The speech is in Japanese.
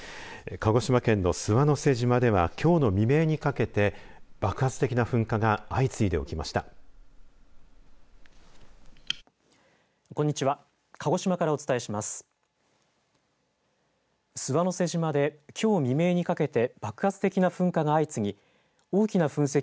鹿児島県の諏訪之瀬島ではきょうの未明にかけて爆発的な噴火が相次いで起きました。